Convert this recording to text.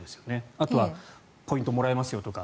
あとはポイントがもらえますよとか